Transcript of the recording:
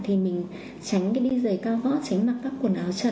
thì mình tránh đi dày cao gõ tránh mặc các quần áo chật